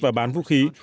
và bán vũ khí